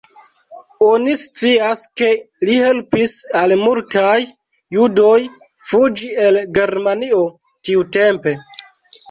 Oni scias ke li helpis al multaj judoj fuĝi el Germanio tiutempe.